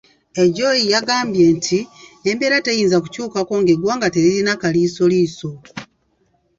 Ejoyi yagambye nti embeera teyinza kukyukako ng'eggwanga teririna kaliisoliiso.